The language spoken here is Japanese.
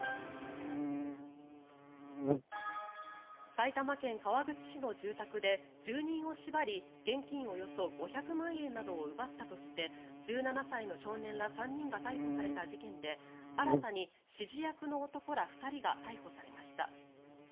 埼玉県川口市の住宅で住人を縛り現金およそ５００万円などを奪ったとして１７歳の少年ら３人が逮捕された事件で新たに指示役の男ら２人が逮捕されました。